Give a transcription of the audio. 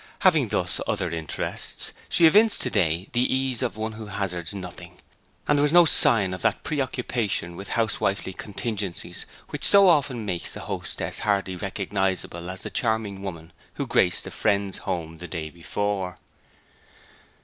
Having thus other interests she evinced to day the ease of one who hazards nothing, and there was no sign of that preoccupation with housewifely contingencies which so often makes the hostess hardly recognizable as the charming woman who graced a friend's home the day before.